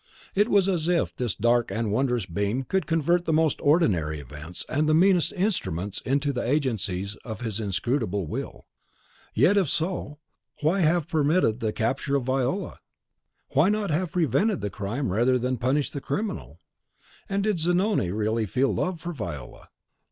It was as if this dark and wondrous being could convert the most ordinary events and the meanest instruments into the agencies of his inscrutable will; yet, if so, why have permitted the capture of Viola? Why not have prevented the crime rather than punish the criminal? And did Zanoni really feel love for Viola?